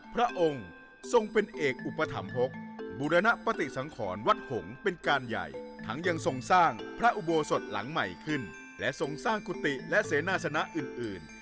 ทรงโกโสดหลังใหม่ขึ้นและทรงสร้างกุฏิและเสนาสนะอื่น